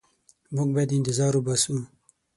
موږ باید انتظار وباسو.